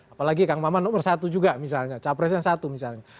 apalagi kang maman nomor satu juga misalnya capresnya satu misalnya